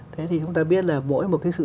thế thì chúng ta biết là mỗi một cái sự